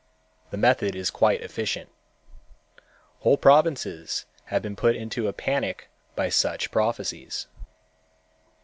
The method is quite efficient. Whole provinces have been put into a panic by such prophecies.